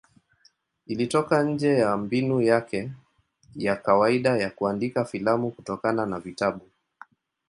Ilitoka nje ya mbinu yake ya kawaida ya kuandika filamu kutokana na vitabu.